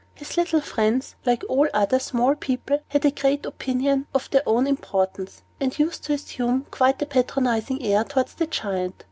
His little friends, like all other small people, had a great opinion of their own importance, and used to assume quite a patronizing air towards the Giant.